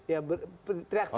ya teriak teriak lah